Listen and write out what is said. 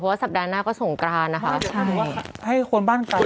เพราะว่าสัปดาห์หน้าก็ส่งกรานะคะใช่ให้คนบ้านใกล้